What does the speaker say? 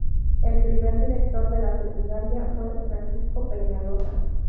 El primer director de la secundaria fue Francisco Peñaloza.